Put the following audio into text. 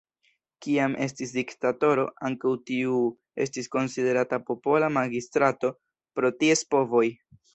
Kiam estris diktatoro, ankaŭ tiu estis konsiderata popola magistrato, pro ties povoj.